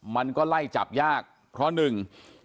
มันก็ไล่จับยากเพราะหนึ่ง